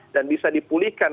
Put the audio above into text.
dan bisa dipulihkan